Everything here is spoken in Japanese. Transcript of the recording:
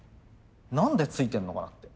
何でついてんのかなって。